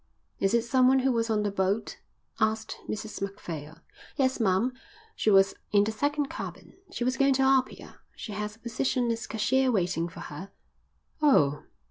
"Is it someone who was on the boat?" asked Mrs Macphail. "Yes, ma'am, she was in the second cabin. She was going to Apia. She has a position as cashier waiting for her." "Oh!"